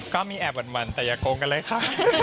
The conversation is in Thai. ก็มีแอบหวั่นแต่อย่าโกงกันเลยค่ะ